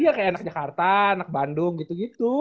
iya kayak anak jakarta anak bandung gitu gitu